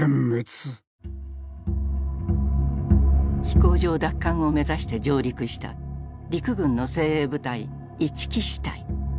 飛行場奪還を目指して上陸した陸軍の精鋭部隊一木支隊。